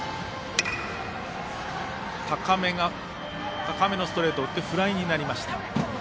高めのストレートを打ってフライになりました。